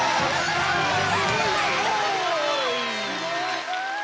すごい！